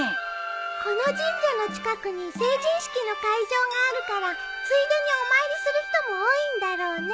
この神社の近くに成人式の会場があるからついでにお参りする人も多いんだろうね。